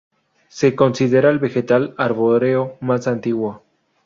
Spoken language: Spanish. Se considera el vegetal arbóreo más antiguo.